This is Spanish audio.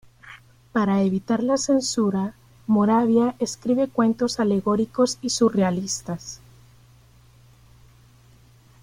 Para evitar la censura, Moravia escribe cuentos alegóricos y surrealistas.